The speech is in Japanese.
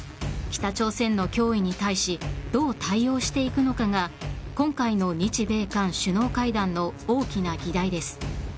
北朝鮮の脅威に対しどう対応していくのかが今回の日米韓首脳会談の大きな議題です。